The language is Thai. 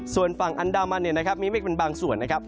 ส่วนฝั่งอันดามันเนี่ยนะครับมีเมฆเป็นบางส่วนนะครับ